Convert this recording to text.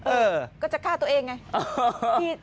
เออก็จะฆ่าตัวเองไง